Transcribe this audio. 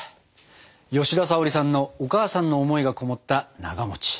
吉田沙保里さんのお母さんの思いがこもったなが。